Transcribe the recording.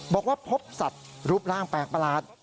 บอกว่าพบสัตว์รูปร่างแปลกประหลาด